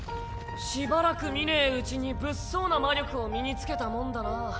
しばらく見ねぇうちに物騒な魔力を身に付けたもんだな。